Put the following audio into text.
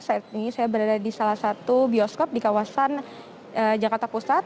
saat ini saya berada di salah satu bioskop di kawasan jakarta pusat